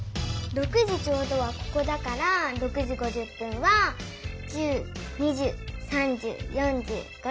６時ちょうどはここだから６時５０分は１０２０３０４０５０ここ！